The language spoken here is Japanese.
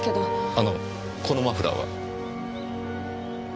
あのこのマフラーは？